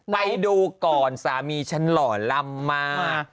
ไปดูก่อนสามีฉันหล่อลำมาก